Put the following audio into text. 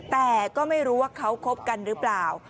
แต่ก็ไม่รู้ว่าเขาคบกันหรือเปล่า